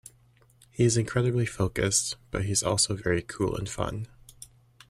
He's incredibly focused, but he's also very cool and fun.